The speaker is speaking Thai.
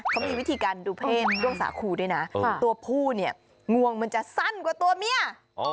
เขามีวิธีการดูเพศด้วงสาคูด้วยนะตัวผู้เนี่ยงวงมันจะสั้นกว่าตัวเมีย